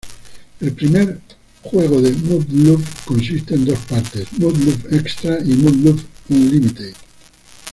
El primer juego de Muv-Luv, consiste de dos partes: Muv-Luv Extra y Muv-Luv Unlimited.